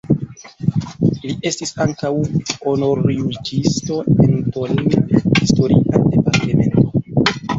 Li estis ankaŭ honorjuĝisto en Tolna (historia departemento).